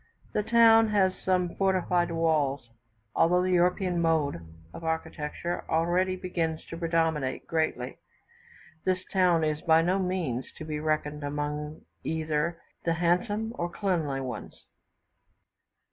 The town has some fortified walls. Although the European mode of architecture already begins to predominate greatly, this town is by no means to be reckoned among either the handsome or cleanly ones.